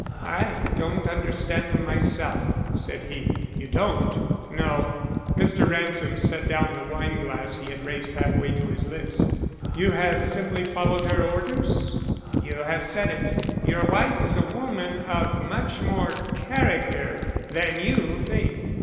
"I don't understand them myself," said he. "You don't?" "No." Mr. Ransom set down the wineglass he had raised half way to his lips. "You have simply followed her orders?" "You have said it. Your wife is a woman of much more character than you think.